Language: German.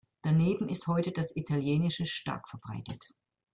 Daneben ist heute das Italienische stark verbreitet.